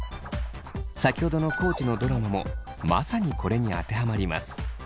先ほどの地のドラマもまさにこれに当てはまります。